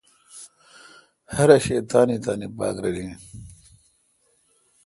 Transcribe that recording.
ھر شے°تانی تانی باگ رل این۔